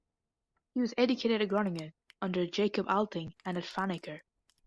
He was educated at Groningen, under Jacob Alting, and at Franeker.